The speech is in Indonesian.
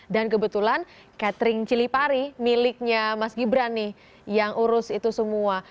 dan kebetulan catering cili pari miliknya mas gibran nih yang urus itu semua